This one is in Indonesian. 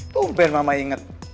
tumben mama inget